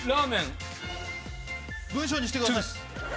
文章にしてください。